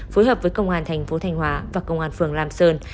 phối hợp với công an thành phố thanh hóa và công an phường lam sơn